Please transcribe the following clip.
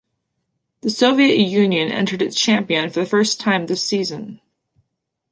The Soviet Union entered its champion for the first time this season.